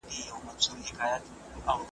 نه په کتاب کي وه چا لوستلي .